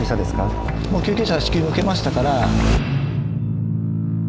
もう救急車は至急向けましたから。